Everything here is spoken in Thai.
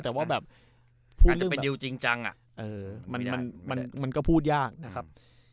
แต่ว่าแบบอาจจะเป็นดิวจริงจังอ่ะเออมันมันมันมันก็พูดยากนะครับ